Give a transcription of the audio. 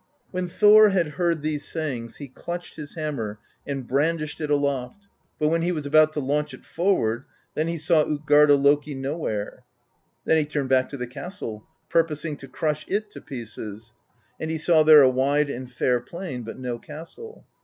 "When Thor had heard these sayings, he clutched his hammer and brandished it aloft; but when he was about to launch it forward, then he saw Utgarda Loki nowhere. Then he turned back to the castle, purposing to crush it to pieces; and he saw there a wide and fair plain, but no castle.